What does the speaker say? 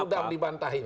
ini mudah dibantahi